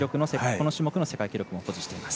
この種目の世界記録も保持しています。